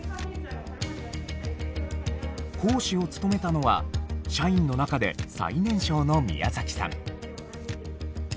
講師を務めたのは社員の中で最年少の宮さん。